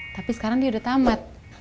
tapi sekarang dia udah tamat